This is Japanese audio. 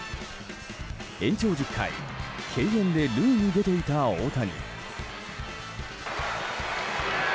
延長１０回敬遠で塁に出ていた大谷。